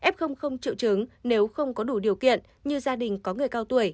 f triệu chứng nếu không có đủ điều kiện như gia đình có người cao tuổi